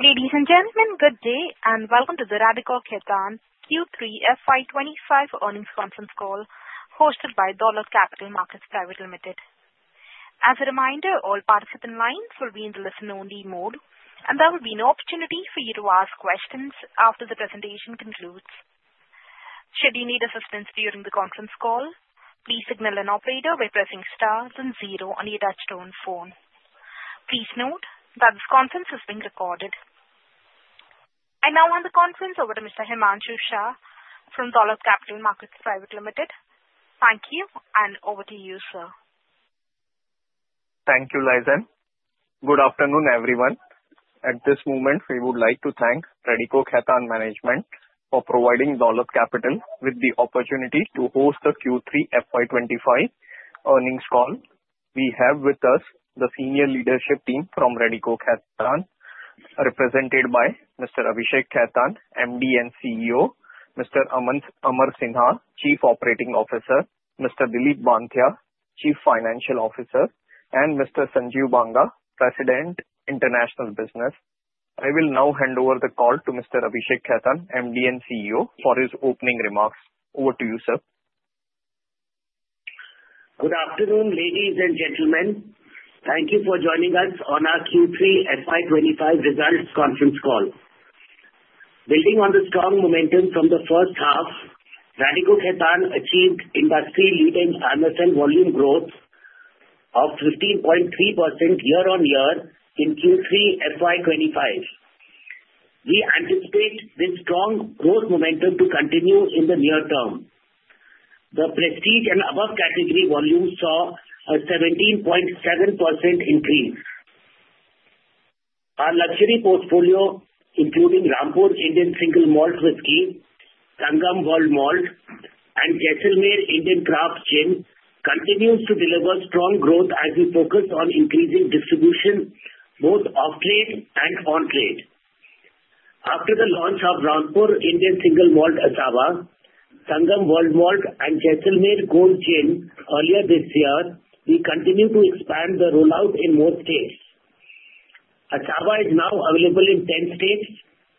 Ladies and gentlemen, good day, and welcome to the Radico Khaitan Q3 FY25 Earnings Conference Call hosted by Dolat Capital Markets Private Limited. As a reminder, all participant lines will be in the listen-only mode, and there will be no opportunity for you to ask questions after the presentation concludes. Should you need assistance during the conference call, please signal an operator by pressing stars and zero on your touch-tone phone. Please note that this conference is being recorded. I now hand the conference over to Mr. Himanshu Shah from Dolat Capital Markets Private Limited. Thank you, and over to you, sir. Thank you, Lizan. Good afternoon, everyone. At this moment, we would like to thank Radico Khaitan Management for providing Dolat Capital with the opportunity to host the Q3 FY25 earnings call. We have with us the senior leadership team from Radico Khaitan, represented by Mr. Abhishek Khaitan, MD and CEO, Mr. Amar Sinha, Chief Operating Officer, Mr. Dilip Banthiya, Chief Financial Officer, and Mr. Sanjeev Banga, President, International Business. I will now hand over the call to Mr. Abhishek Khaitan, MD and CEO, for his opening remarks. Over to you, sir. Good afternoon, ladies and gentlemen. Thank you for joining us on our Q3 FY25 results conference call. Building on the strong momentum from the first half, Radico Khaitan achieved industry-leading IMFL and volume growth of 15.3% year-on-year in Q3 FY25. We anticipate this strong growth momentum to continue in the near term. The prestige and above-category volume saw a 17.7% increase. Our luxury portfolio, including Rampur Indian Single Malt Whisky, Sangam World Malt, and Jaisalmer Indian Craft Gin, continues to deliver strong growth as we focus on increasing distribution both off-trade and on-trade. After the launch of Rampur Indian Single Malt Asava, Sangam World Malt, and Jaisalmer Gold Gin earlier this year, we continue to expand the rollout in more states. Asava is now available in 10 states,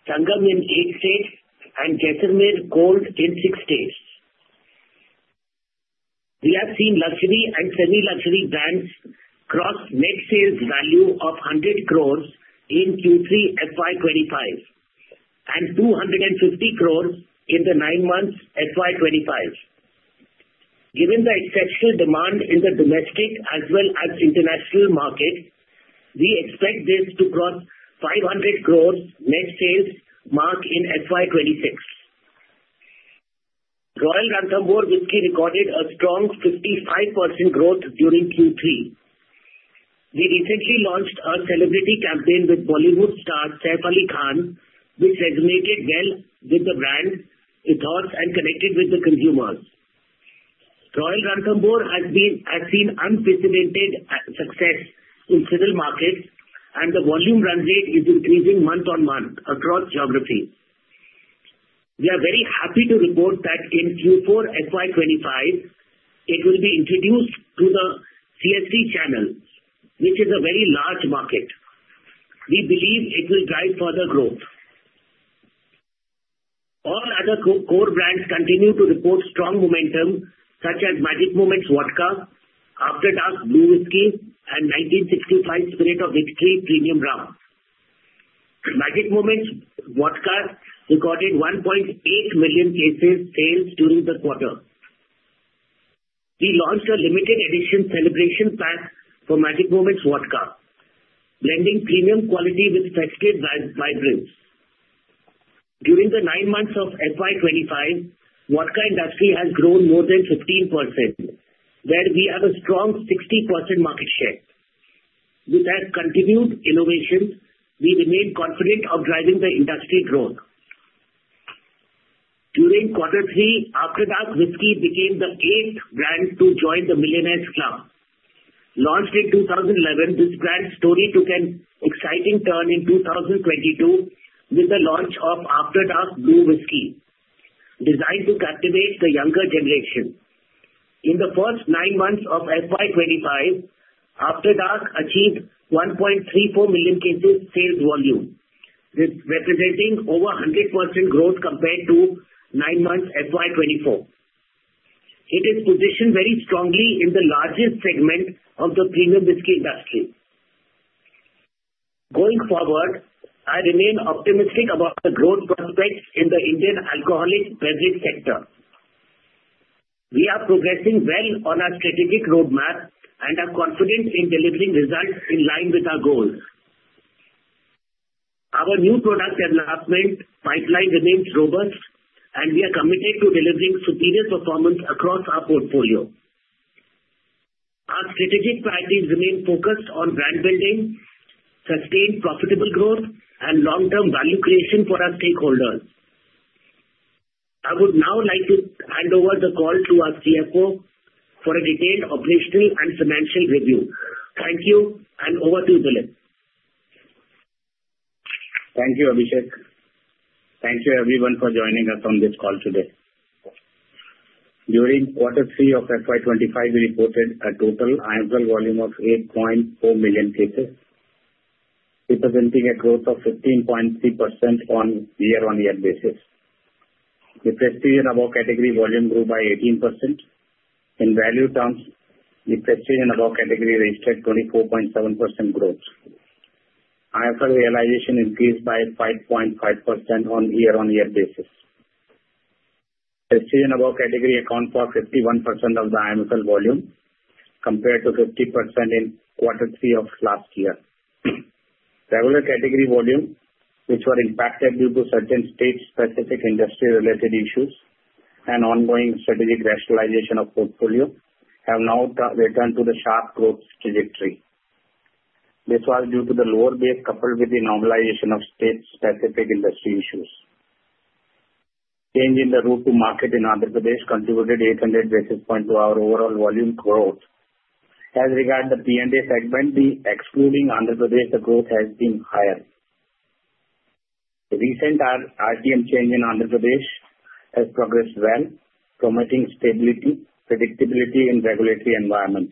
Sangam in eight states, and Jaisalmer Gold in six states. We have seen luxury and semi-luxury brands cross net sales value of 100 crores in Q3 FY25 and 250 crores in the nine-month FY25. Given the exceptional demand in the domestic as well as international market, we expect this to cross 500 crores net sales mark in FY26. Royal Ranthambore Whisky recorded a strong 55% growth during Q3. We recently launched a celebrity campaign with Bollywood star Saif Ali Khan, which resonated well with the brand, with hearts, and connected with the consumers. Royal Ranthambore has seen unprecedented success in civil markets, and the volume run rate is increasing month-on-month across geographies. We are very happy to report that in Q4 FY25, it will be introduced to the CSD channel, which is a very large market. We believe it will drive further growth. All other core brands continue to report strong momentum, such as Magic Moments Vodka, After Dark Blue Whisky, and 1965 Spirit of Victory Premium Rum. Magic Moments Vodka recorded 1.8 million cases sales during the quarter. We launched a limited-edition celebration pack for Magic Moments Vodka, blending premium quality with festive vibrance. During the nine months of FY25, vodka industry has grown more than 15%, where we have a strong 60% market share. With our continued innovation, we remain confident of driving the industry growth. During Q3, After Dark Whisky became the eighth brand to join the Millionaires Club. Launched in 2011, this brand's story took an exciting turn in 2022 with the launch of After Dark Blue Whisky, designed to captivate the younger generation. In the first nine months of FY25, After Dark achieved 1.34 million cases sales volume, representing over 100% growth compared to nine months FY24. It is positioned very strongly in the largest segment of the premium whiskey industry. Going forward, I remain optimistic about the growth prospects in the Indian alcoholic beverage sector. We are progressing well on our strategic roadmap and are confident in delivering results in line with our goals. Our new product development pipeline remains robust, and we are committed to delivering superior performance across our portfolio. Our strategic priorities remain focused on brand building, sustained profitable growth, and long-term value creation for our stakeholders. I would now like to hand over the call to our CFO for a detailed operational and financial review. Thank you, and over to you, Dilip. Thank you, Abhishek. Thank you, everyone, for joining us on this call today. During Q3 of FY25, we reported a total annual volume of 8.4 million cases, representing a growth of 15.3% on year-on-year basis. The Prestige and Above category volume grew by 18%. In value terms, the Prestige and Above category registered 24.7% growth. IMFL realization increased by 5.5% on year-on-year basis. Prestige and Above category account for 51% of the IMFL volume, compared to 50% in Q3 of last year. Regular category volume, which were impacted due to certain state-specific industry-related issues and ongoing strategic rationalization of portfolio, have now returned to the sharp growth trajectory. This was due to the lower base coupled with the normalization of state-specific industry issues. Change in the route to market in Andhra Pradesh contributed 800 basis points to our overall volume growth. As regards the P&A segment, excluding Andhra Pradesh, the growth has been higher. The recent RTM change in Andhra Pradesh has progressed well, promoting stability, predictability, and regulatory environment.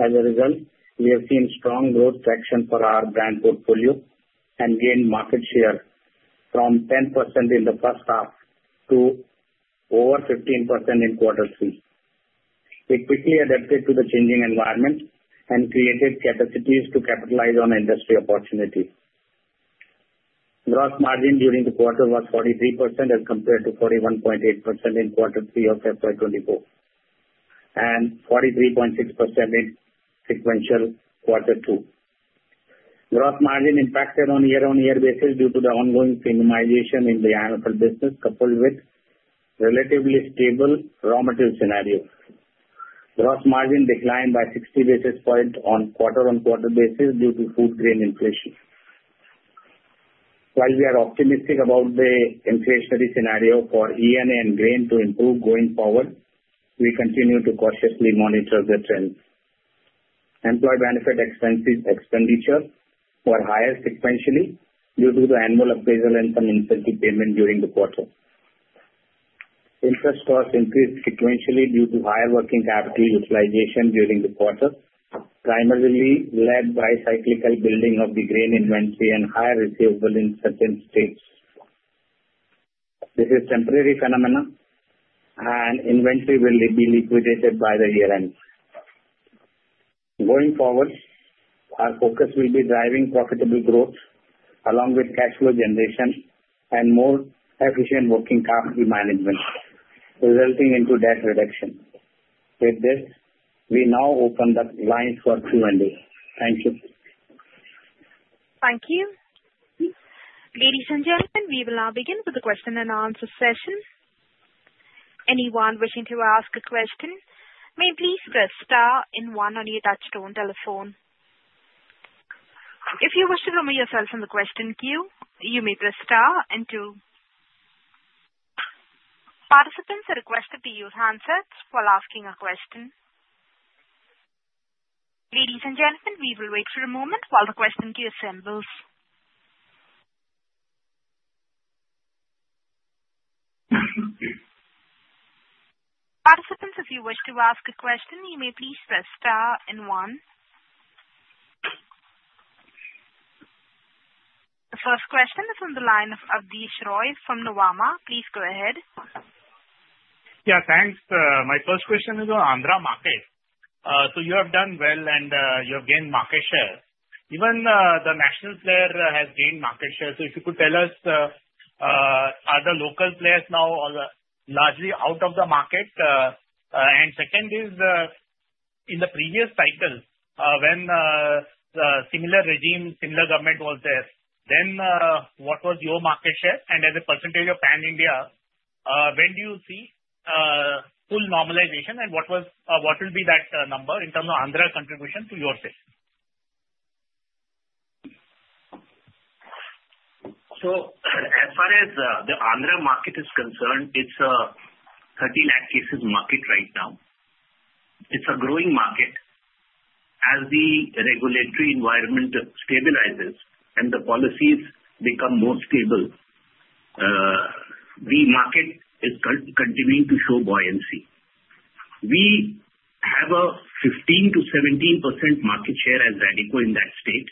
As a result, we have seen strong growth traction for our brand portfolio and gained market share from 10% in the first half to over 15% in Q3. We quickly adapted to the changing environment and created capacities to capitalize on industry opportunities. Gross margin during the quarter was 43% as compared to 41.8% in Q3 of FY24 and 43.6% in sequential Q2. Gross margin improved on year-on-year basis due to the ongoing premiumization in the IMFL business, coupled with relatively stable raw material scenarios. Gross margin declined by 60 basis points on quarter-on-quarter basis due to food grain inflation. While we are optimistic about the inflationary scenario for ENA and grain to improve going forward, we continue to cautiously monitor the trends. Employee benefit expenditures were higher sequentially due to the annual appraisal and some incentive payment during the quarter. Interest costs increased sequentially due to higher working capital utilization during the quarter, primarily led by cyclical building of the grain inventory and higher receivables in certain states. This is a temporary phenomenon, and inventory will be liquidated by the year-end. Going forward, our focus will be driving profitable growth along with cash flow generation and more efficient working capital management, resulting in debt reduction. With this, we now open the lines for Q&A. Thank you. Thank you. Ladies and gentlemen, we will now begin with the question-and-answer session. Anyone wishing to ask a question may please press star and one on your touch-tone telephone. If you wish to remove yourself from the question queue, you may press star and two. Participants are requested to use handsets while asking a question. Ladies and gentlemen, we will wait for a moment while the question queue assembles. Participants, if you wish to ask a question, you may please press star and one. The first question is from the line of Abneesh Roy from Nuvama. Please go ahead. Yeah, thanks. My first question is on Andhra market. So you have done well, and you have gained market share. Even the national player has gained market share. So if you could tell us, are the local players now largely out of the market? And second is, in the previous cycle, when the similar regime, similar government was there, then what was your market share? And as a percentage of Pan-India, when do you see full normalization, and what will be that number in terms of Andhra contribution to your sales? As far as the Andhra market is concerned, it's a 30 lakh cases market right now. It's a growing market. As the regulatory environment stabilizes and the policies become more stable, the market is continuing to show buoyancy. We have a 15%-17% market share as Radico in that state.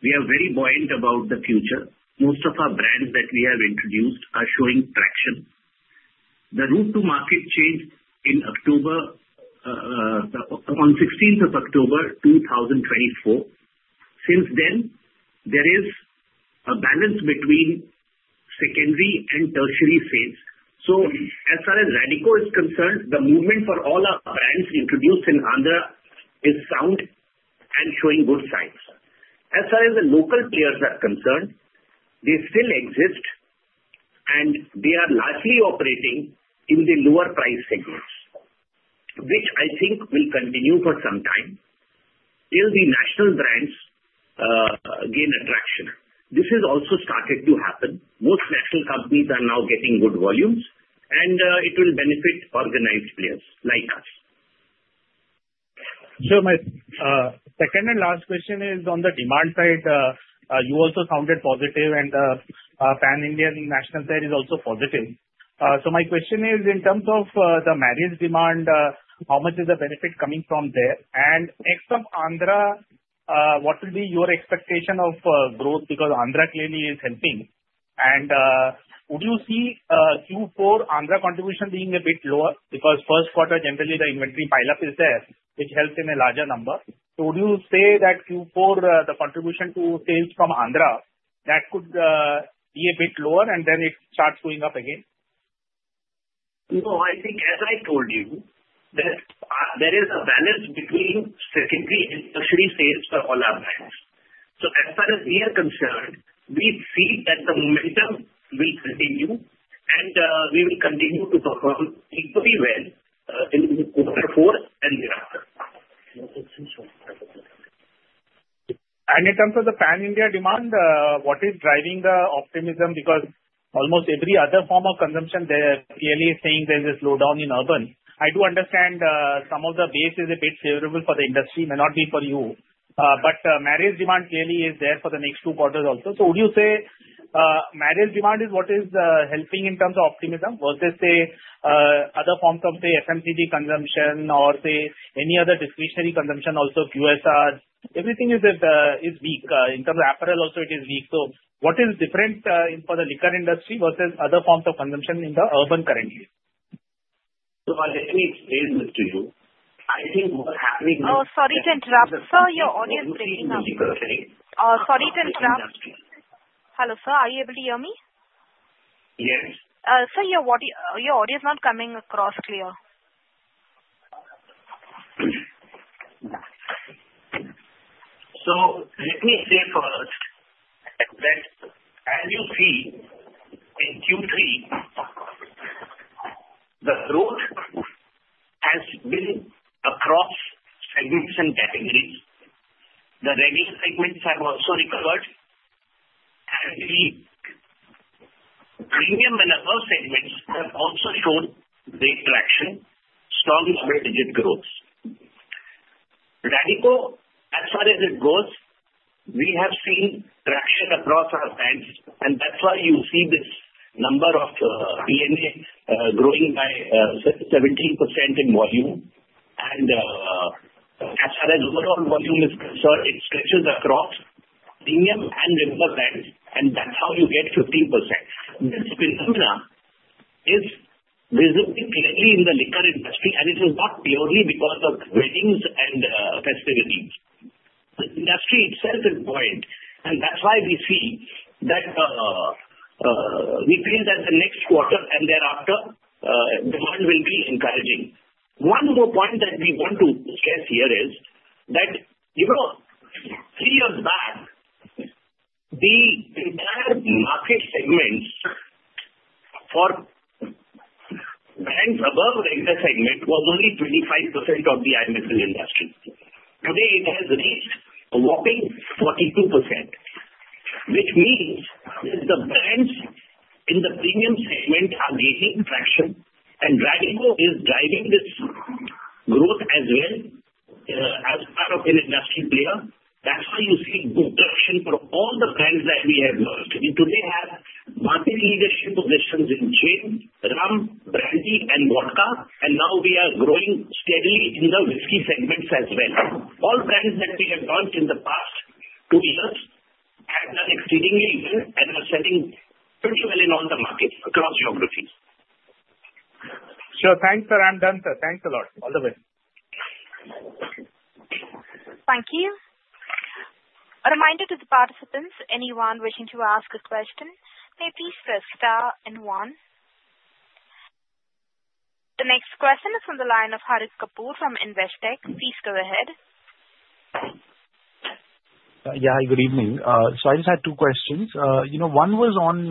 We are very buoyant about the future. Most of our brands that we have introduced are showing traction. The route to market changed on 16th of October 2024. Since then, there is a balance between secondary and tertiary sales. So as far as Radico is concerned, the movement for all our brands introduced in Andhra is sound and showing good signs. As far as the local players are concerned, they still exist, and they are largely operating in the lower price segments, which I think will continue for some time till the national brands gain attraction. This has also started to happen. Most national companies are now getting good volumes, and it will benefit organized players like us. So my second and last question is on the demand side. You also sounded positive, and Pan-Indian national player is also positive. So my question is, in terms of the marriage demand, how much is the benefit coming from there? And next up, Andhra, what will be your expectation of growth? Because Andhra clearly is helping. And would you see Q4 Andhra contribution being a bit lower? Because first quarter, generally, the inventory pile-up is there, which helps in a larger number. So would you say that Q4, the contribution to sales from Andhra, that could be a bit lower, and then it starts going up again? No, I think, as I told you, there is a balance between secondary and tertiary sales for all our brands. So as far as we are concerned, we see that the momentum will continue, and we will continue to perform equally well in Q4 and thereafter. In terms of the pan-India demand, what is driving the optimism? Because almost every other form of consumption, they are clearly saying there's a slowdown in urban. I do understand some of the base is a bit favorable for the industry. It may not be for you, but marriage demand clearly is there for the next two quarters also. So would you say marriage demand is what is helping in terms of optimism versus other forms of, say, FMCG consumption or, say, any other discretionary consumption? Also, QSR, everything is weak. In terms of apparel, also, it is weak. So what is different for the liquor industry versus other forms of consumption in the urban currently? So, while let me explain this to you, I think what's happening is. Oh, sorry to interrupt, sir. Your audio is breaking up. Industry is weaker, right? Oh, sorry to interrupt. Hello, sir. Are you able to hear me? Yes. Sir, your audio is not coming across clear. So let me say first that, as you see, in Q3, the growth has been across segments and categories. The regular segments have also recovered, and the premium and upper segments have also shown great traction, strong double-digit growth. Radico, as far as it goes, we have seen traction across our brands, and that's why you see this number of ENA growing by 17% in volume. And as far as overall volume is concerned, it stretches across premium and upper brands, and that's how you get 15%. This phenomenon is visible clearly in the liquor industry, and it is not purely because of weddings and festivities. The industry itself is buoyant, and that's why we see that we feel that the next quarter and thereafter demand will be encouraging. One more point that we want to stress here is that three years back, the entire market segments for brands above regular segment were only 25% of the IMFL industry. Today, it has reached a whopping 42%, which means that the brands in the premium segment are gaining traction, and Radico is driving this growth as well as part of an industry player. That's why you see good traction for all the brands that we have merged. Today, we have market leadership positions in gin, rum, brandy, and vodka, and now we are growing steadily in the whiskey segments as well. All brands that we have launched in the past two years have done exceedingly well and are selling pretty well in all the markets across geographies. Sure. Thanks, sir. I'm done, sir. Thanks a lot. All the best. Thank you. A reminder to the participants, anyone wishing to ask a question, may please press star and one. The next question is from the line of Harit Kapoor from Investec. Please go ahead. Yeah, good evening. So I just had two questions. One was on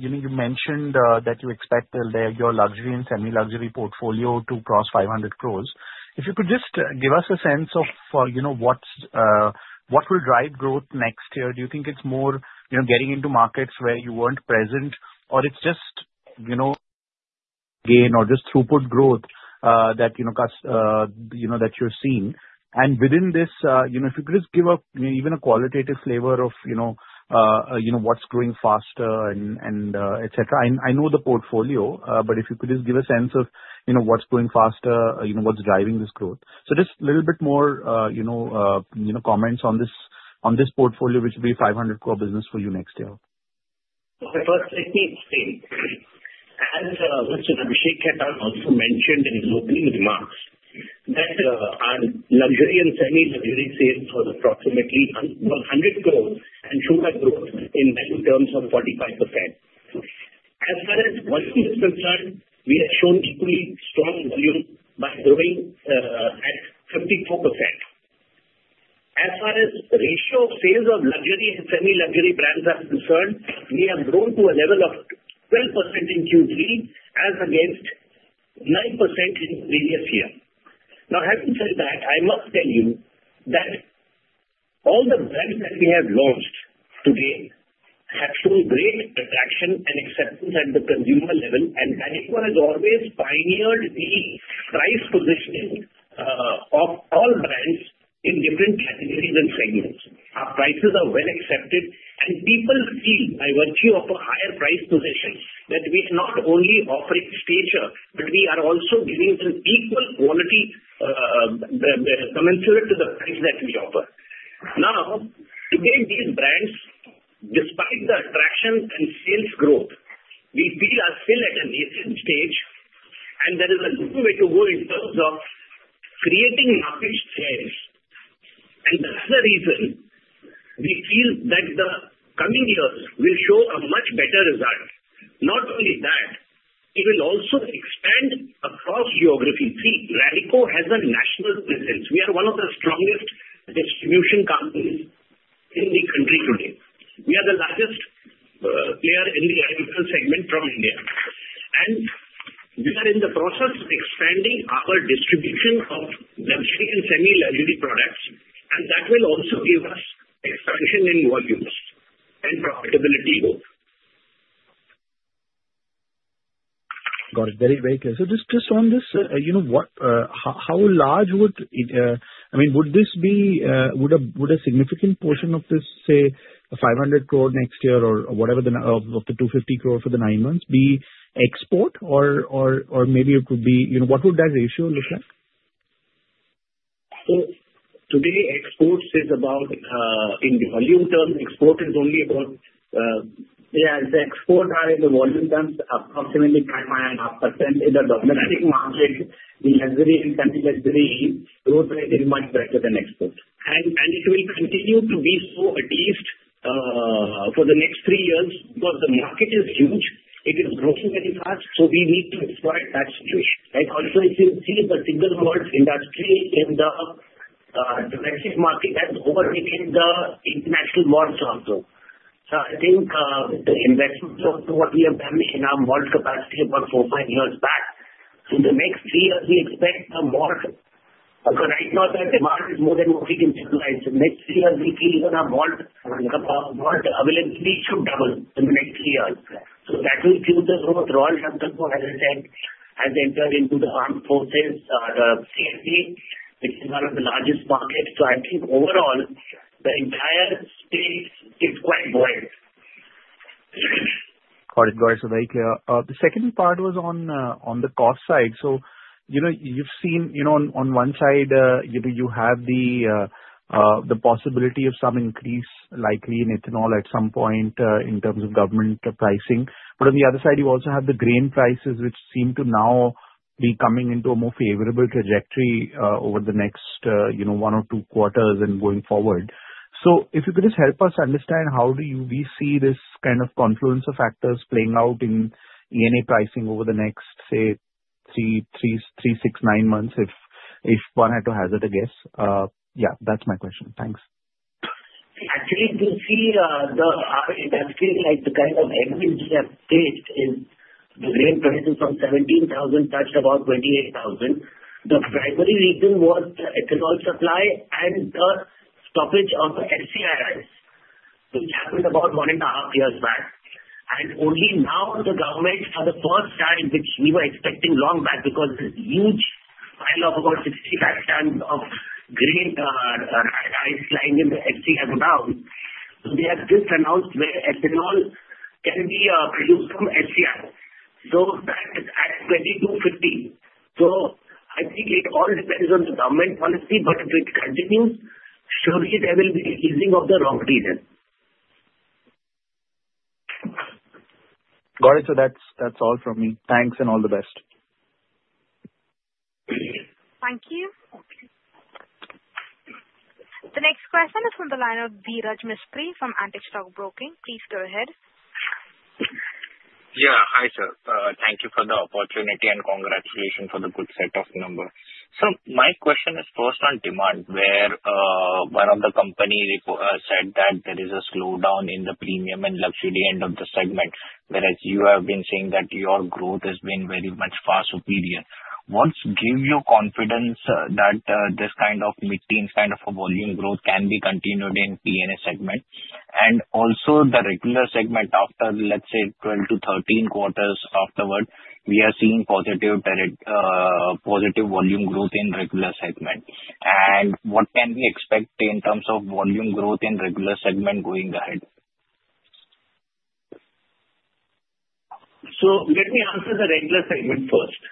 you mentioned that you expect your luxury and semi-luxury portfolio to cross 500 crores. If you could just give us a sense of what will drive growth next year. Do you think it's more getting into markets where you weren't present, or it's just gain or just throughput growth that you're seeing? And within this, if you could just give even a qualitative flavor of what's growing faster and etc. I know the portfolio, but if you could just give a sense of what's going faster, what's driving this growth. So just a little bit more comments on this portfolio, which would be 500 crore business for you next year. Okay. First, let me explain. As Mr. Abhishek Khaitan also mentioned in his opening remarks, that our luxury and semi-luxury sales was approximately 100 crores and showed a growth in that terms of 45%. As far as volume is concerned, we have shown equally strong volume by growing at 54%. As far as the ratio of sales of luxury and semi-luxury brands are concerned, we have grown to a level of 12% in Q3 as against 9% in the previous year. Now, having said that, I must tell you that all the brands that we have launched today have shown great attraction and acceptance at the consumer level, and Radico has always pioneered the price positioning of all brands in different categories and segments. Our prices are well accepted, and people feel by virtue of a higher price position that we are not only offering stature, but we are also giving them equal quality commensurate to the price that we offer. Now, today, these brands, despite the attraction and sales growth, we feel are still at a nascent stage, and there is a long way to go in terms of creating market shares. And that's the reason we feel that the coming years will show a much better result. Not only that, it will also expand across geography. See, Radico has a national presence. We are one of the strongest distribution companies in the country today. We are the largest player in the IMFL segment from India, and we are in the process of expanding our distribution of luxury and semi-luxury products, and that will also give us expansion in volumes and profitability growth. Got it. Very, very clear. So just on this, how large would, I mean, would this be a significant portion of this, say, 500 crore next year or whatever the of the 250 crore for the nine months be export, or maybe it could be what would that ratio look like? Today, exports are about 5.5% in volume terms in the domestic market. In luxury and semi-luxury, growth rate is much better than exports. And it will continue to be so, at least for the next three years because the market is huge. It is growing very fast, so we need to exploit that situation. And also, if you see the single malt industry in the domestic market, that's overtaking the international malt also. So I think the investments that we have done in our vault capacity about four, five years back, in the next three years, we expect more. So right now, that demand is more than what we can supply. In the next three years, we feel even our vault availability should double. So that will fuel the growth. Royal Ranthambore, as I said, has entered into the armed forces, the CSD, which is one of the largest markets. So I think overall, the entire state is quite buoyant. Got it. Got it. So very clear. The second part was on the cost side. So you've seen on one side, you have the possibility of some increase likely in ethanol at some point in terms of government pricing. But on the other side, you also have the grain prices, which seem to now be coming into a more favorable trajectory over the next one or two quarters and going forward. So if you could just help us understand how do you see this kind of confluence of factors playing out in ENA pricing over the next, say, three, six, nine months, if one had to hazard a guess? Yeah, that's my question. Thanks. Actually, you see, our industry, like the kind of increase we have seen in the grain prices from 17,000 touched about 28,000, the primary reason was the ethanol supply and the stoppage of the FCI, so it happened about one and a half years back, and only now the government, for the first time, which we were expecting long back because this huge pile of about 65 tons of grain is lying in the FCI godown, so they have just announced that ethanol can be produced from FCI, so that is at 2,250, so I think it all depends on the government policy, but if it continues, surely there will be easing of the grain prices. Got it. So that's all from me. Thanks and all the best. Thank you. The next question is from the line of Viraj Mistry from Antique Stock Broking. Please go ahead. Yeah. Hi, sir. Thank you for the opportunity and congratulations for the good set of numbers. So my question is first on demand, where one of the companies said that there is a slowdown in the premium and luxury end of the segment, whereas you have been saying that your growth has been very much far superior. What gives you confidence that this kind of mid-teens kind of volume growth can be continued in the P&S segment? And also, the regular segment, after, let's say, 12 quarters-13 quarters afterward, we are seeing positive volume growth in the regular segment. And what can we expect in terms of volume growth in the regular segment going ahead? So let me answer the regular segment first.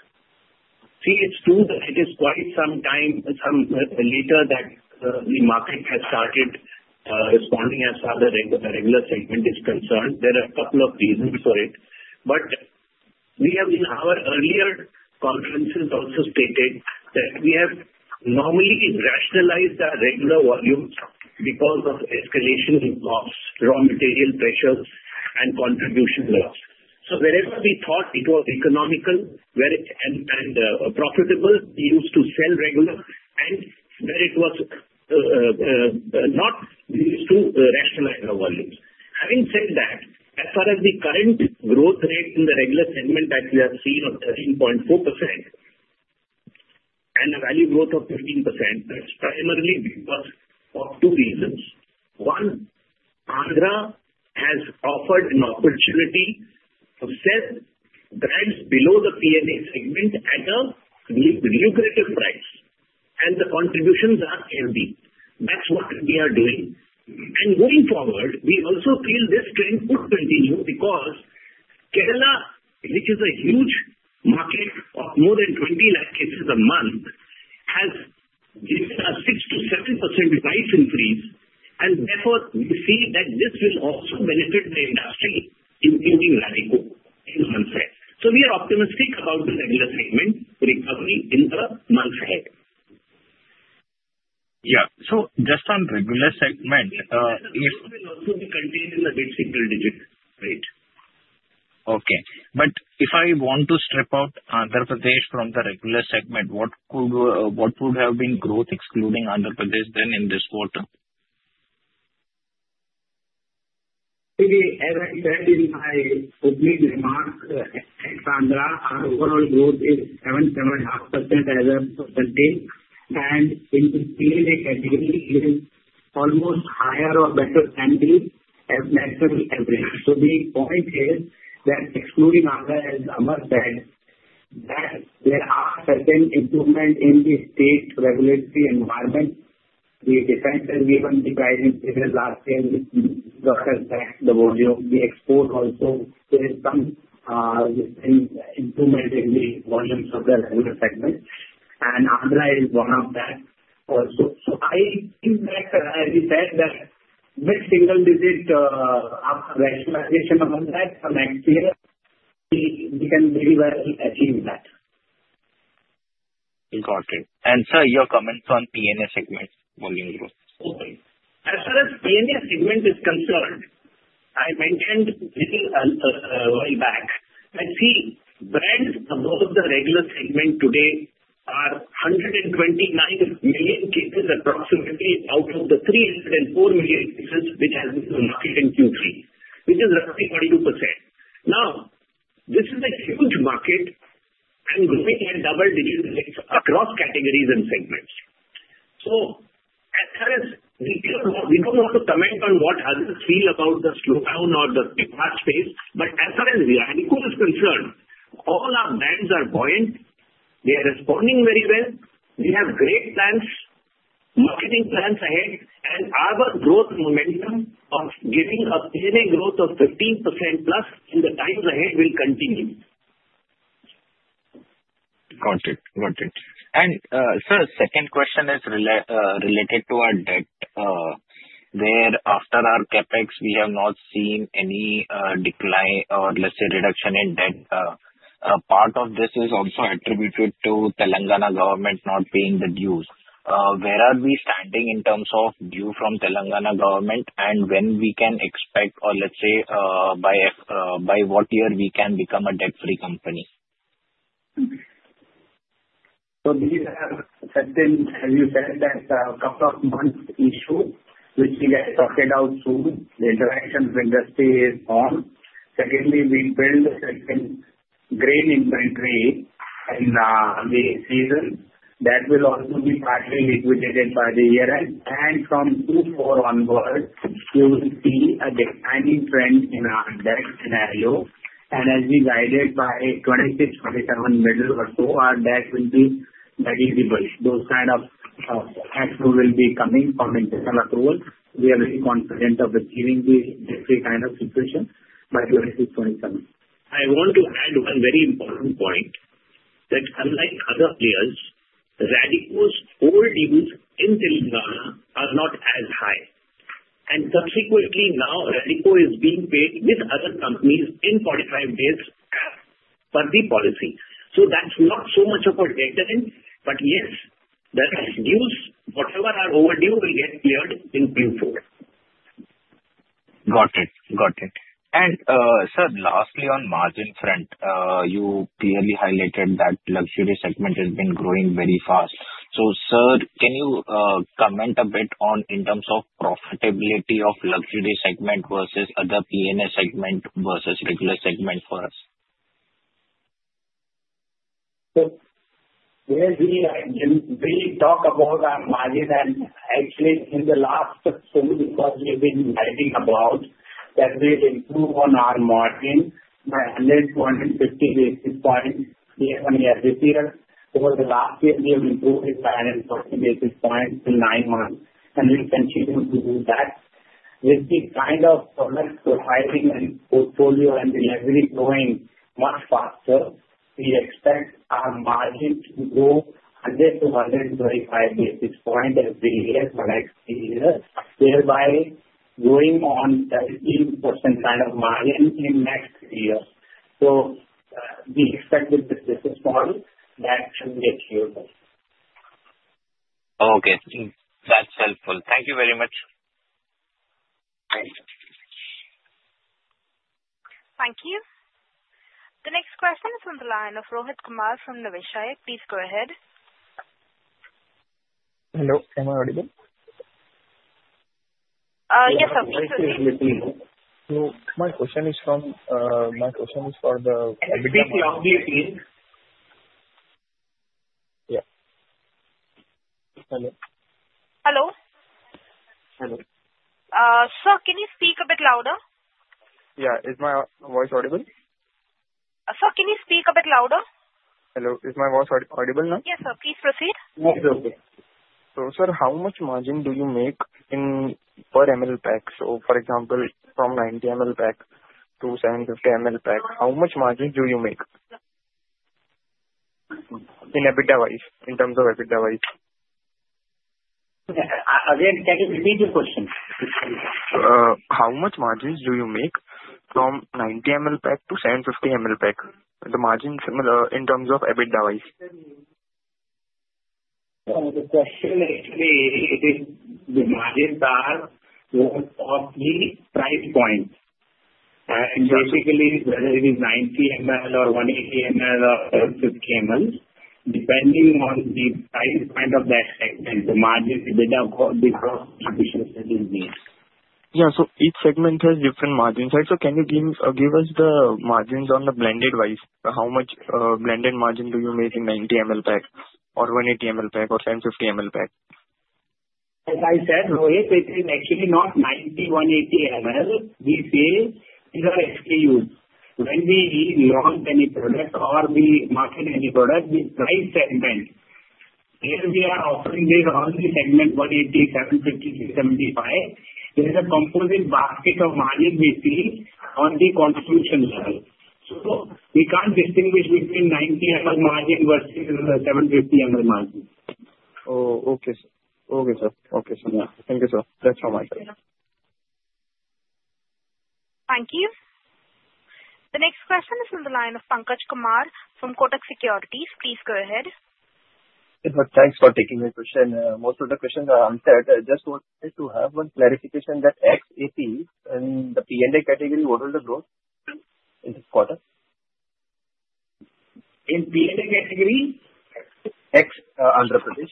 See, it's true that it is quite some time later that the market has started responding as far as the regular segment is concerned. There are a couple of reasons for it. But we have, in our earlier conferences, also stated that we have normally rationalized our regular volumes because of escalation in costs, raw material pressures, and contribution loss. So wherever we thought it was economical and profitable, we used to sell regular, and where it was not, we used to rationalize our volumes. Having said that, as far as the current growth rate in the regular segment that we have seen of 13.4% and a value growth of 15%, that's primarily because of two reasons. One, ENA has offered an opportunity to sell brands below the P&A segment at a lucrative price, and the contributions are heavy. That's what we are doing. And going forward, we also feel this trend could continue because Kerala, which is a huge market of more than 20 lakh cases a month, has given a 6%-7% price increase, and therefore, we see that this will also benefit the industry, including Radico, on one side. So we are optimistic about the regular segment recovery in the month ahead. Yeah. So just on regular segment. It will also be contained in the mid-single-digit rate. Okay. But if I want to strip out Andhra Pradesh from the regular segment, what would have been growth, excluding Andhra Pradesh, then in this quarter? Okay. As I said in my opening remarks, in Andhra, our overall growth is 7%-7.5% as of 2020, and in the P&A category, it is almost higher or better than the national average. So the point is that, excluding Andhra, as I must add, that there are certain improvements in the state regulatory environment. We have defined that given the price increases last year, which has dragged the volume of the export also. There is some improvement in the volumes of the regular segment, and Andhra is one of that also. So I think that, as you said, that mid-single-digit rationalization of that, from next year, we can very well achieve that. Got it. And, sir, your comments on P&A segment volume growth? As far as P&A segment is concerned, I mentioned a little while back, but see, brands above the regular segment today are 129 million cases approximately out of the 304 million cases which has been in the market in Q3, which is roughly 42%. Now, this is a huge market and growing at double digit rates across categories and segments. So as far as we don't want to comment on what others feel about the slowdown or the big market space, but as far as Radico is concerned, all our brands are buoyant. They are responding very well. We have great plans, marketing plans ahead, and our growth momentum of giving a P&A growth of 15%+ in the times ahead will continue. Got it. Got it. And, sir, the second question is related to our debt, where after our CapEx, we have not seen any decline or, let's say, reduction in debt. Part of this is also attributed to Telangana government not paying the dues. Where are we standing in terms of dues from Telangana government, and when we can expect, or let's say, by what year we can become a debt-free company? We have certain, as you said, that a couple of months' issue, which we get sorted out soon. The interaction with the state is on. Secondly, we build a certain grain inventory in the season. That will also be partly liquidated by the year end. From Q4 onward, we will see a declining trend in our debt scenario. As we guided by 26, 27 middle or so, our debt will be very stable. Those kind of facts will be coming from internal accruals. We are very confident of achieving this kind of situation by 26, 27. I want to add one very important point that, unlike other players, Radico's holdings in Telangana are not as high. Subsequently, now, Radico is being paid with other companies in 45 days per the policy. So that's not so much of a deterrent, but yes, the dues, whatever our overdue will get cleared in Q4. Got it. Got it. And, sir, lastly, on the margin front, you clearly highlighted that the luxury segment has been growing very fast. So, sir, can you comment a bit on, in terms of profitability of the luxury segment versus other P&A segment versus regular segment for us? We talk about our margin, and actually, in the last two weeks, we've been writing about that we'll improve on our margin by 150 basis points year on year this year. Over the last year, we have improved it by 140 basis points in nine months, and we continue to do that. With this kind of product profiling and portfolio and delivery growing much faster, we expect our margin to grow 100 basis points to 125 basis points every year for the next three years, thereby going on 13% kind of margin in next three years. We expect with this business model that we achieve this. Okay. That's helpful. Thank you very much. Thank you. The next question is from the line of Rohit Kumar from Niveshaay. Please go ahead. Hello. Am I audible? Yes, please. So my question is for the. Speak loudly, please. Yeah. Hello. Hello? Hello. Sir, can you speak a bit louder? Yeah. Is my voice audible? Sir, can you speak a bit louder? Hello. Is my voice audible now? Yes, sir. Please proceed. Yes, okay. So, sir, how much margin do you make per ML pack? So, for example, from 90 ML pack to 750 ML pack, how much margin do you make in EBITDA-wise, in terms of EBITDA-wise? Again, that is a major question. How much margins do you make from 90 ML pack to 750 ML pack, the margins in terms of EBITDA-wise? The question is the margins are grown of the price point. And basically, whether it is 90 mL or 180 mL or 750 mL, depending on the price point of that segment, the margin EBITDA growth efficiency is needed. Yeah. So each segment has different margins. Right? So can you give us the margins on the blended-wise? How much blended margin do you make in 90 ML pack or 180 ML pack or 750 ML pack? As I said, Rohit, it is actually not 90ML, 180 ML. We say these are SKUs. When we launch any product or we market any product, we price segment. Here we are offering this only segment 180ML, 750ML, 75ML. There is a composite basket of margin we see on the constituents level. So we can't distinguish between 90 ML margin versus 750 ML margin. Oh, okay, sir. Okay, sir. Okay, sir. Thank you, sir. That's all my question. Thank you. The next question is from the line of Pankaj Kumar from Kotak Securities. Please go ahead. Thanks for taking my question. Most of the questions are answered. I just wanted to have one clarification that UP in the P&A category, what was the growth in this quarter? In P&A category, CapEx? RTM Andhra Pradesh.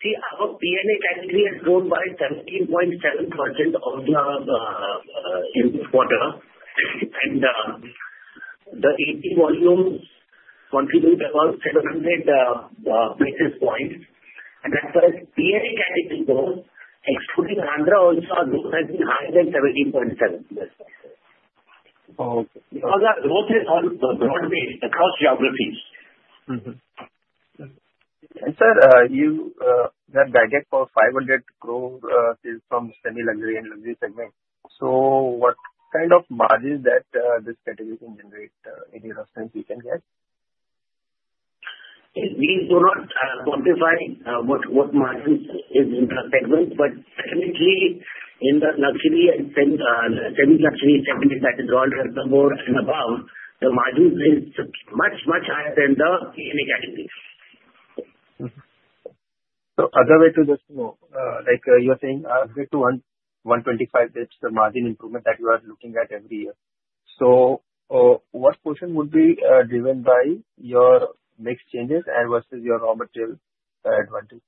See, our P&A category has grown by 17.7% in this quarter, and the 80 volume contributed about 700 basis points. And as far as P&A category grows, excluding ANRA also, our growth has been higher than 17.7%. Okay. Because our growth is all broad-based across geographies. Sir, that backlog of 500 crore is from semi-luxury and luxury segment. So what kind of margins that this category can generate? Any reference we can get? We do not quantify what margin is in the segment, but definitely in the luxury and semi-luxury segment that is rolled out above, the margin is much, much higher than the P&A category. So, another way to just know, like you're saying, up to 125, that's the margin improvement that you are looking at every year. So, what portion would be driven by your mix changes versus your raw material advantage?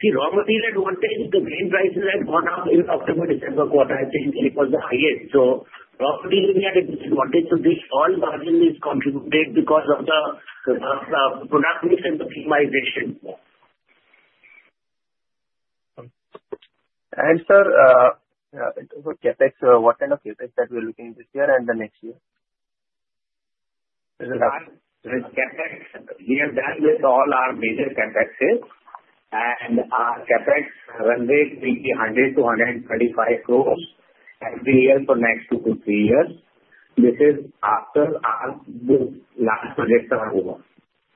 See, raw material advantage is the grain prices have gone up in the October-December quarter. I think it was the highest. So raw material advantage to this all margin is contributed because of the product mix and the optimization. Sir, for CapEx, what kind of CapEx that we are looking at this year and the next year? With CapEx, we have done with all our major CapExes, and our CapEx runs between 100-125 crores every year for the next two to three years. This is after our last projects are over.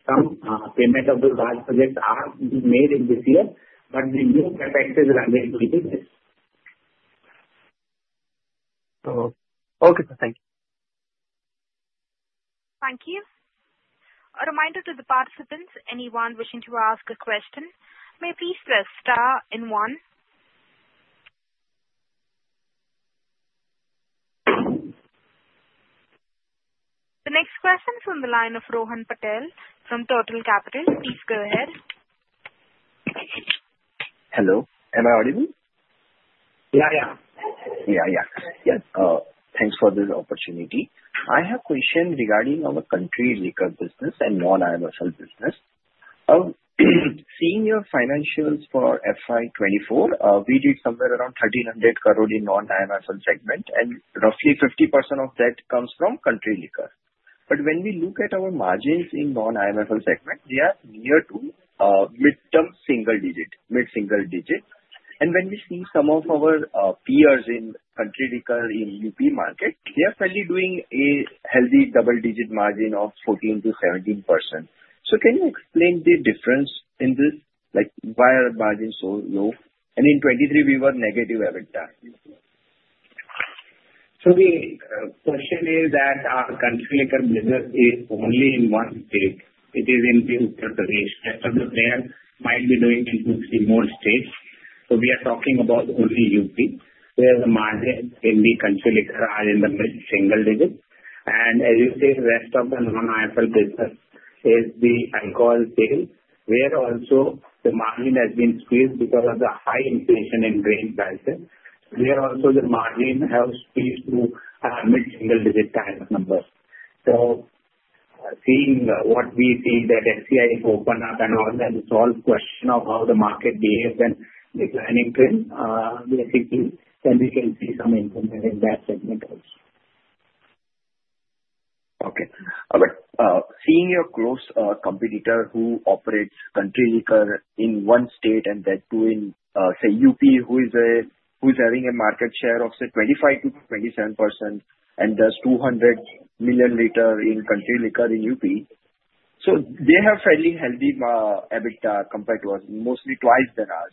Some payment of the last projects are made in this year, but the new CapEx is running to this year. Okay. Thank you. Thank you. A reminder to the participants, anyone wishing to ask a question, may please press star and one. The next question is from the line of Rohan Patel from Tata Capital. Please go ahead. Hello. Am I audible? Yeah, yeah. Yeah, yeah. Yes. Thanks for this opportunity. I have a question regarding our country liquor business and non-IMFL business. Seeing your financials for FY24, we did somewhere around 1,300 crores in non-IMFL segment, and roughly 50% of that comes from country liquor. But when we look at our margins in non-IMFL segment, they are near to mid-term single digit, mid-single digit. And when we see some of our peers in country liquor in UP market, they are fairly doing a healthy double-digit margin of 14%-17%. So can you explain the difference in this? Why are margins so low? And in 2023, we were negative EBITDA. The question is that our country liquor business is only in one state. It is in Uttar Pradesh. Rest of the players might be doing in two or three more states. We are talking about only UP, where the margin in the country liquor are in the mid-single digit. And as you said, the rest of the non-IMFL business is the alcohol sales, where also the margin has been squeezed because of the high inflation in grain prices. Where also the margin has squeezed to mid-single digit kind of numbers. Seeing what we see that FCI has opened up and all, and it's all a question of how the market behaves and declining trend, basically, then we can see some improvement in that segment also. Okay. All right. Seeing your close competitor who operates country liquor in one state and that too in, say, UP, who is having a market share of, say, 25%-27% and does 200 million liters in country liquor in UP, so they have fairly healthy EBITDA compared to us, mostly twice than us.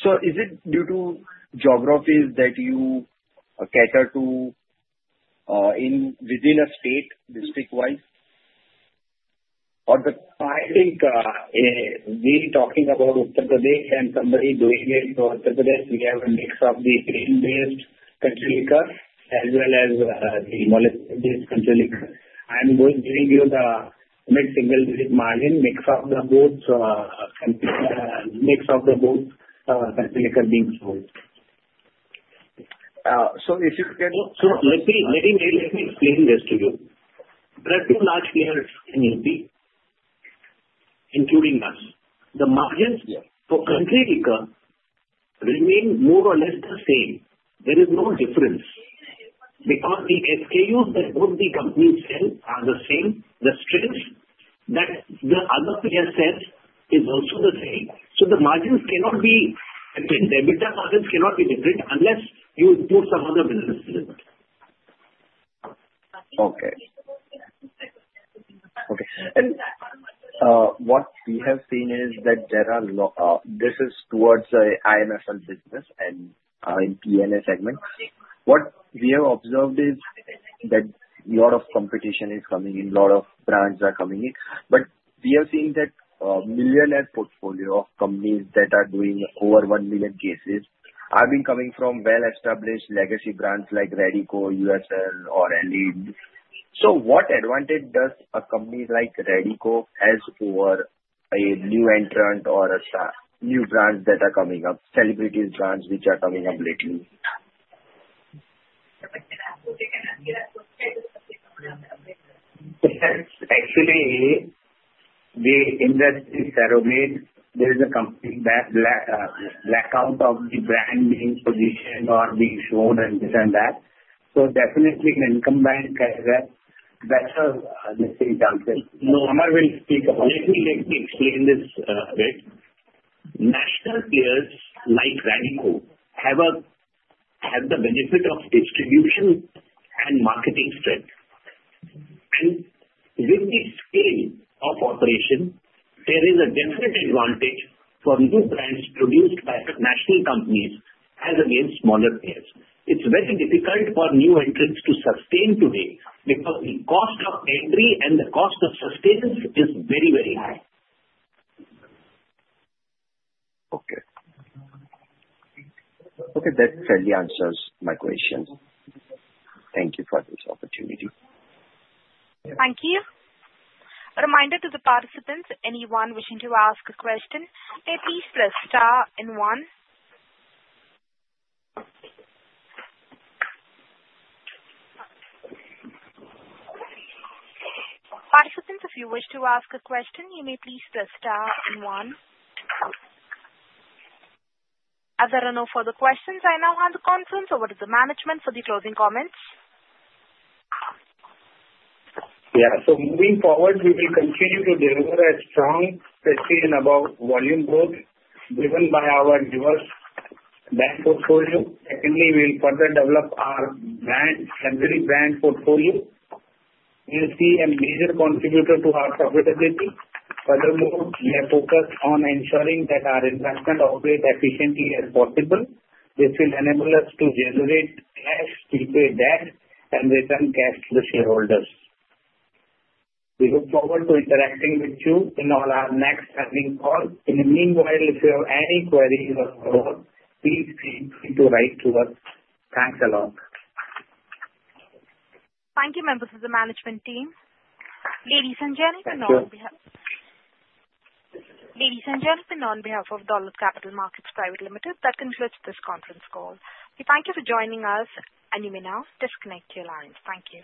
So is it due to geographies that you cater to within a state, district-wise? I think we're talking about Uttar Pradesh and somebody doing it for Uttar Pradesh. We have a mix of the grain-based country liquor as well as the molasses-based country liquor. I'm going to give you the mid-single digit margin mix of both country liquor being sold. So if you can. So let me explain this to you. There are two large players in UP, including us. The margins for country liquor remain more or less the same. There is no difference because the SKUs that both the companies sell are the same. The strength that the other players sell is also the same. So the margins cannot be different. EBITDA margins cannot be different unless you include some other businesses in it. Okay. Okay. And what we have seen is that this is towards the IMFL business and P&A segment. What we have observed is that a lot of competition is coming in, a lot of brands are coming in. But we have seen that millionaire portfolio of companies that are doing over one million cases have been coming from well-established legacy brands like Radico, USL, or Allied. So what advantage does a company like Radico have over a new entrant or a new brand that are coming up, celebrity brands which are coming up lately? Actually, the industry is there. There is a blackout of the brand being positioned or being shown and this and that. So definitely, an incumbent brand has a better listing chances. No, Amar will speak about it. Let me explain this. National players like Radico have the benefit of distribution and marketing strength, and with this scale of operation, there is a definite advantage for new brands produced by national companies as against smaller players. It's very difficult for new entrants to sustain today because the cost of entry and the cost of sustenance is very, very high. Okay. Okay. That fairly answers my question. Thank you for this opportunity. Thank you. A reminder to the participants, anyone wishing to ask a question, may please press star and one. Participants, if you wish to ask a question, you may please press star and one. Are there no further questions right now on the conference, or what is the management for the closing comments? Yeah. So moving forward, we will continue to deliver a strong session about volume growth driven by our diverse bank portfolio. Secondly, we will further develop our country brand portfolio. We will see a major contributor to our profitability. Furthermore, we have focused on ensuring that our investment operates as efficiently as possible. This will enable us to generate cash to pay debt and return cash to the shareholders. We look forward to interacting with you in all our next earning calls. In the meanwhile, if you have any queries or follow-up, please feel free to write to us. Thanks a lot. Thank you, members, for the management team. Ladies and gentlemen, on behalf of Dolat Capital Markets Private Limited, that concludes this conference call. We thank you for joining us, and you may now disconnect your lines. Thank you.